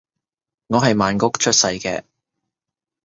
我係曼谷出世嘅